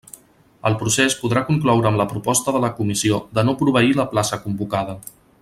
El procés podrà concloure amb la proposta de la comissió de no proveir la plaça convocada.